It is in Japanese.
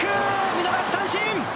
見逃し三振！